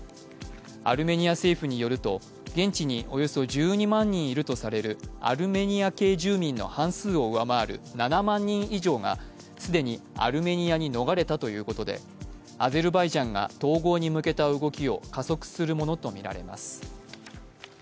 アルメニア政府によると、現地におよそ１２万人いるとされるアルメニア人系勢力の半数を上回る７万人以上が既にアルメニアに逃れたということでアゼルバイジャンが統合に向けた動きを加速するものとみられます。